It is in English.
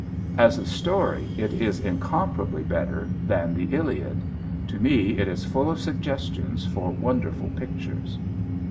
As a story it is incomparably better than the "Iliad." To me it is full of suggestions for wonderful pictures.